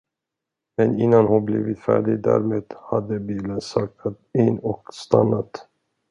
Men innan hon blivit färdig därmed, hade bilen saktat in och stannat.